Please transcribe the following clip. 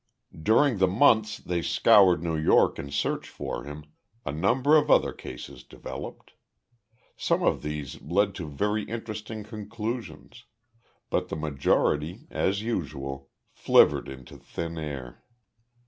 During the months they scoured New York in search for him, a number of other cases developed. Some of these led to very interesting conclusions, but the majority, as usual, flivvered into thin air.